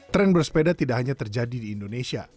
tren bersepeda tidak hanya terjadi di indonesia